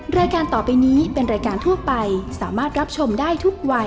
รายการต่อไปนี้เป็นรายการทั่วไปสามารถรับชมได้ทุกวัย